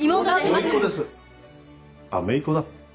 あめいっ子だ。